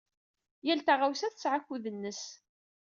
Yal taɣawsa tesɛa akud-nnes.